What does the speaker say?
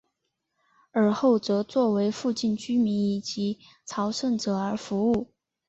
尔后则作为附近居民以及朝圣者而服务。